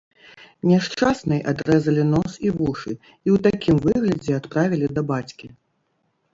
Няшчаснай адрэзалі нос і вушы, і ў такім выглядзе адправілі да бацькі.